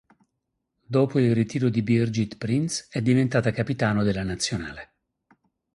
Dopo il ritiro di Birgit Prinz è diventata capitano della nazionale.